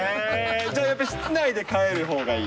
じゃあやっぱり室内で飼えるほうがいい？